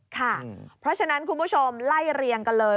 ค่ะเพราะฉะนั้นคุณผู้ชมไล่เรียงกันเลย